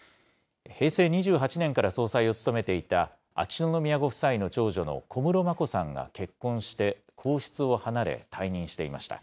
平成２８年から総裁を務めていた秋篠宮ご夫妻の長女の小室眞子さんが結婚して皇室を離れ、退任していました。